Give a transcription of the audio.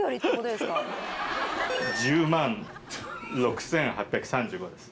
１０万６，８３５です。